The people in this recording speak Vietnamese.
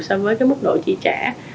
so với mức độ chi trả